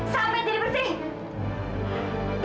sampai jadi bersih